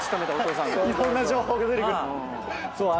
いろんな情報が出てくる。